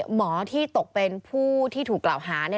หมอที่ตกเป็นผู้ที่ถูกกล่าวหา